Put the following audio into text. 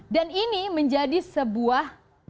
dan ini menjadi sebuah